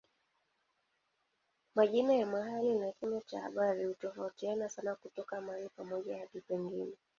Majina ya mahali na kina cha habari hutofautiana sana kutoka mahali pamoja hadi pengine.